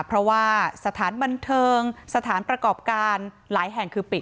เพราะว่าสถานบันเทิงสถานประกอบการหลายแห่งคือปิด